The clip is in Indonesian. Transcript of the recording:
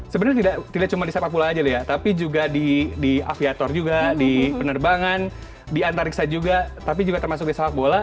sebenarnya tidak cuma di sepak bola aja ya tapi juga di aviator juga di penerbangan di antariksa juga tapi juga termasuk di sepak bola